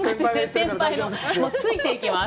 先輩の、もうついていきます。